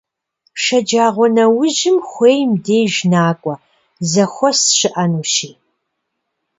Шэджагъуэнэужьым хуейм деж накӀуэ, зэхуэс щыӀэнущи.